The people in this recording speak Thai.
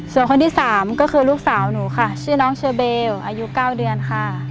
ส่วนคนที่๓ก็คือลูกสาวหนูค่ะชื่อน้องเชอเบลอายุ๙เดือนค่ะ